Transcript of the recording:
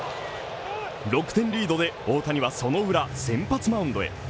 ６点リードで大谷はその裏、先発マウンドへ。